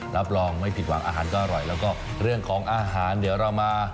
รับรองไม่ผิดหวังอาหารก็อร่อยแล้วก็เรื่องของอาหารเดี๋ยวเรามา